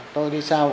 tôi đi sau